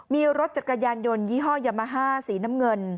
มีรถจักรยานยนต์ยี่ห้อยามาฮ่าสีน้ำเงิน